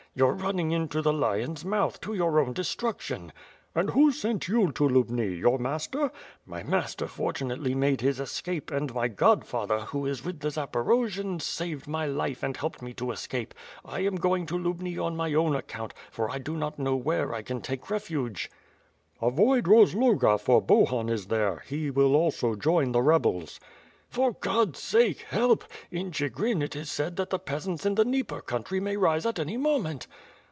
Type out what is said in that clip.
'TTou're running into the lion's mouth; to your own de struction." "And who sent yon to Lubni? Your master?'* "My master fortunately mad€ his escape, and my godfather, who is with the Zaporojians, saved my life and helped me to escape. I am going to I^ibni on my own account, for I do not know where I can take refuge." WITH FIRE AND SWORD. 243 "Avoid Rozloga, for Bohun is there; he will also join th e rebels/* "For God's sake! Help! In Ohigrin it is said that the peasaiits in the Dnieper country may rise at any moment!"